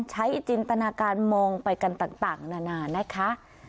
จินตนาการมองไปกันต่างนานานะคะ